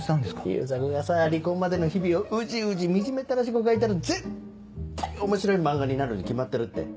悠作がさ離婚までの日々をウジウジ惨めったらしく描いたら絶対面白い漫画になるに決まってるって。